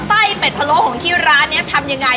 ไส้เป็ดพะโล้ของที่ร้านนี้ทำยังไง